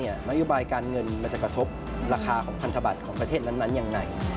นโยบายการเงินมันจะกระทบราคาของพันธบัตรของประเทศนั้นยังไง